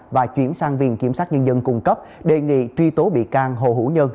và chuyển sang viện kiểm sát nhân dân cung cấp đề nghị truy tố bị can hồ hữu nhân